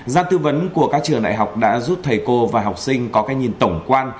gian tư vấn của các trường đại học đã giúp thầy cô và học sinh có cái nhìn tổng quan